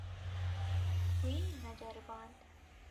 Wî neceriband.